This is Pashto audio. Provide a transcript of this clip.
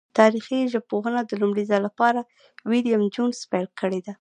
تاریخي ژبپوهنه د لومړی ځل له پاره ویلم جونز پیل کړه.